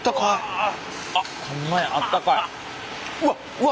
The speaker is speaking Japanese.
うわ！